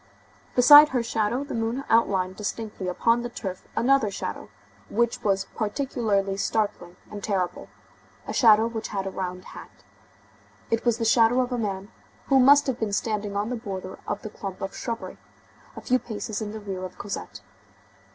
Beside her shadow, the moon outlined distinctly upon the turf another shadow, which was particularly startling and terrible, a shadow which had a round hat. It was the shadow of a man, who must have been standing on the border of the clump of shrubbery, a few paces in the rear of Cosette.